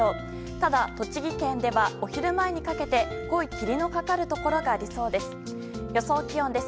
ただ、栃木県ではお昼前にかけて濃い霧のかかるところがありそうです。